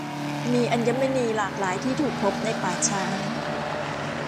มีอัญมณีหลากหลายที่ถูกพบในป่าช้า